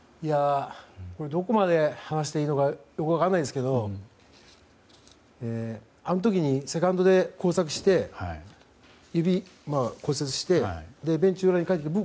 どこまで話していいのかよく分からないんですけどあの時にセカンドで交錯して指を骨折してベンチ裏に帰ってきた時。